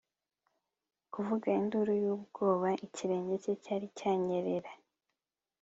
kuvuga induru y'ubwoba ... ikirenge cye cyari cyanyerera